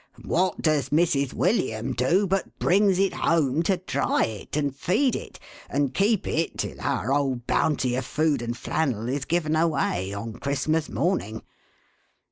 What does Mrs. William do, but brings it home to dry it, and feed it, and keep it till our old Bounty of food and flannel is given away, on Christmas morning